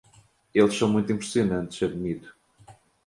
Eles são muito impressionantes, admito.